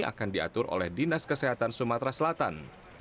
akan diatur oleh dinas kesehatan sumatera selatan